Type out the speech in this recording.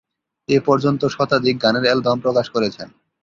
এ পর্যন্ত শতাধিক গানের এলবাম প্রকাশ করেছেন।